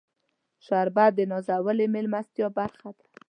شربت د نازولې میلمستیا برخه ده